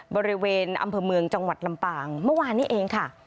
บริเวณอำเภอเมืองจังหวัดลำปางเมื่อวานนี้เองค่ะ